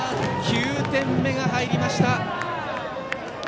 ９点目が入りました。